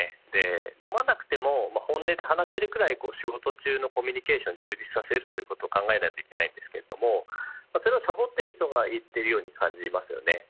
飲まなくても本音で話せるくらい仕事中のコミュニケーションを充実させることを考えないといけないんですけどそれをさぼっている人が言っているように感じます。